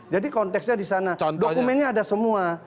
jadi konteksnya di sana dokumennya ada semua